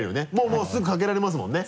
もうすぐかけられますもんね。